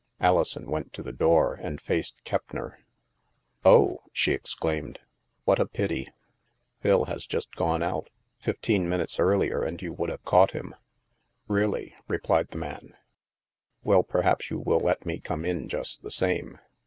Alison went to the door, and faced Keppner. " Oh," she exclaimed, " what a pity ! Phil has just gone out. Fifteen minutes earlier, and you would have caught him !"" Really ?" replied the man. " Well, perhaps you will let me come in just the same.